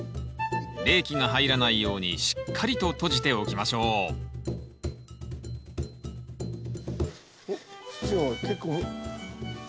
冷気が入らないようにしっかりと閉じておきましょうおっ土が結構。